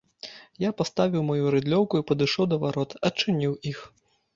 Я паставіў маю рыдлёўку і падышоў да варот, адчыніў іх.